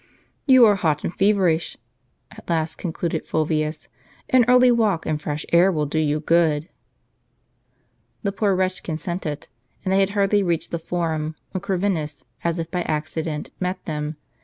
"You are hot and feverish," at last concluded Fulvius; "an early walk, and fresh air, will do you good." The poor wretch consented ; and they had hardly reached the Forum, when Corvinus, as if by accident, met them.